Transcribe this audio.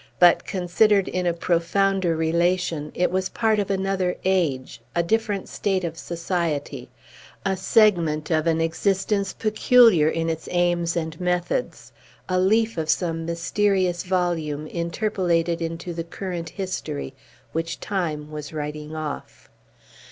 But, considered in a profounder relation, it was part of another age, a different state of society, a segment of an existence peculiar in its aims and methods, a leaf of some mysterious volume interpolated into the current history which time was writing off.